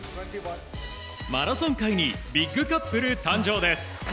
マラソン界にビッグカップル誕生です。